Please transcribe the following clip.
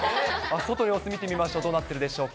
外の様子、見てみましょう。